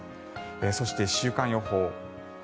そして週間予報。